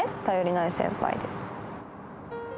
頼りない先輩で。